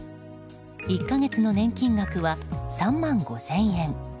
１か月の年金額は３万５０００円。